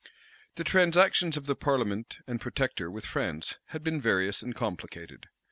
The transactions of the parliament and protector with France had been various and complicated.